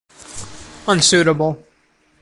Unsuitable.